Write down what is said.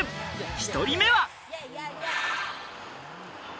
１人目は。